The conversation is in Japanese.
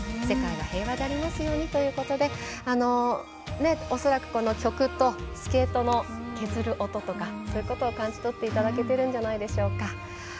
世界が平和でありますようにということで恐らく、曲とスケートの削る音とかそういうことを感じ取っていただけてるのではないでしょうか。